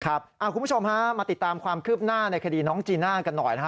คุณผู้ชมฮะมาติดตามความคืบหน้าในคดีน้องจีน่ากันหน่อยนะฮะ